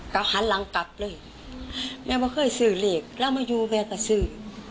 ก็หันหลังกลับเลยแม่ไม่เคยซื้อเลขแล้วมาอยู่แม่ก็ซื้อ